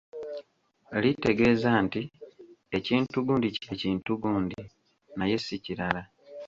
Litegeeza nti, ekintu gundi kye kintu gundi, naye ssi kirala.